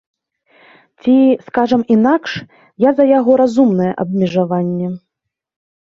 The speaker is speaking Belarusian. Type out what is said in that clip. Ці, скажам інакш, я за яго разумнае абмежаванне.